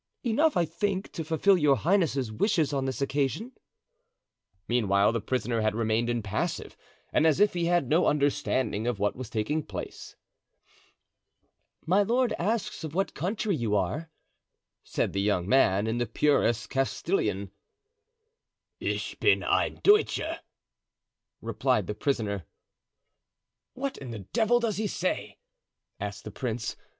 "Enough, I think, to fulfill your highness's wishes on this occasion." Meanwhile the prisoner had remained impassive and as if he had no understanding of what was taking place. "My lord asks of what country you are," said the young man, in the purest Castilian. "Ich bin ein Deutscher," replied the prisoner. "What in the devil does he say?" asked the prince.